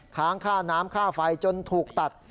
ค้างค่าน้ำค่าไฟจนถูกตัด